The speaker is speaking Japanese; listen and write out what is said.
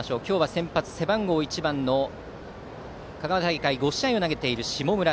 先発、背番号１番の香川大会５試合を投げている下村。